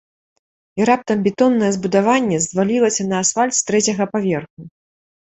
І раптам бетоннае збудаванне звалілася на асфальт з трэцяга паверху.